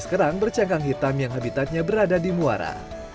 sekarang bercangkang hitam yang habitatnya berada di muara